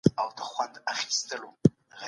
هنر د سياست عملي پلي کول اسانه کوي.